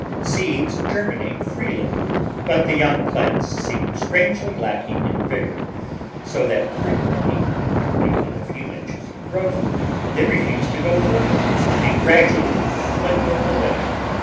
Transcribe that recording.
Seeds germinate freely, but the young plants seem strangely lacking in vigour. Digitized by Google Eleven] ^ttieg *3* so that frequently, after making a few inches of growth, they refuse to go further, and gradually dwindle away.